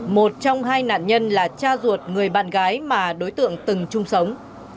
một trong hai nạn nhân là cha ruột người bạn gái mà đối tượng từng chung sống